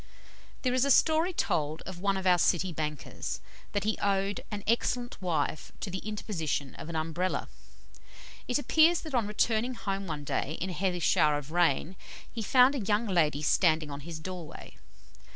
There is a story told of one of our City bankers, that he owed an excellent wife to the interposition of an Umbrella. It appears that on returning home one day in a heavy shower of rain, he found a young lady standing in his doorway.